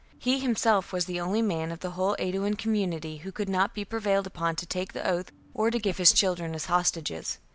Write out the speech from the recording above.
He himself was the only man of the whole Aeduan com munity who could not be prevailed upon to take the oath or to give his children as hostages.